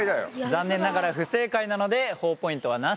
残念ながら不正解なのでほぉポイントはなし。